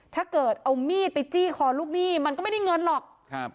ถ้าเกิดเอามีดไปจี้คอลูกหนี้มันก็ไม่ได้เงินหรอกครับ